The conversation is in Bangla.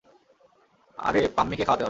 আরে পাম্মিকে খাওয়াতে হবে।